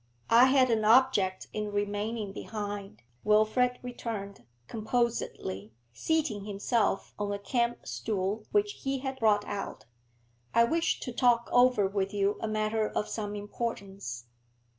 'I had an object in remaining behind,' Wilfrid returned, composedly, seating himself on a camp stool which he had brought out. 'I wished to talk over with you a matter of some importance.'